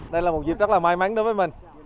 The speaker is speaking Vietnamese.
đây là một việc rất là may mắn đối với mình